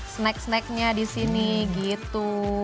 snack snacknya di sini gitu